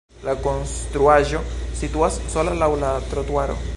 La konstruaĵo situas sola laŭ la trotuaro.